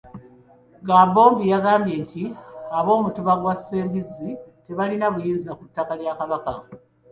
Gambobbi yagambye nti ab'omutuba gwa Ssembizzi tebalina buyinza ku ttaka lya Kabaka.